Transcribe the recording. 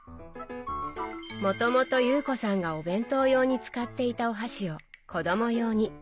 もともと有子さんがお弁当用に使っていたお箸を子ども用に。